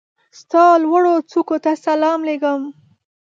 ستا لوړوڅوکو ته سلام لېږم